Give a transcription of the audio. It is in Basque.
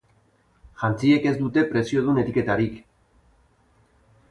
Jantziek ez dute preziodun etiketarik